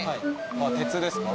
鉄ですか？